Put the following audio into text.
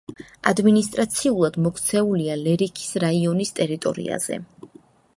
ადმინისტრაციულად მოქცეულია ლერიქის რაიონის ტერიტორიაზე.